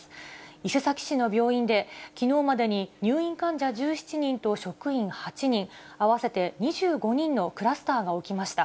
伊勢崎市の病院で、きのうまでに入院患者１７人と職員８人、合わせて２５人のクラスターが起きました。